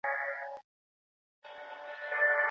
د خوراکي توکو کمښت خلک اندېښمن کړي دي.